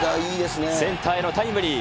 センターへのタイムリー。